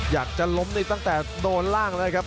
อยากจะล้มนี่ตั้งแต่โดนล่างแล้วครับ